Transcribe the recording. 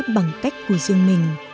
bằng cách của dương mình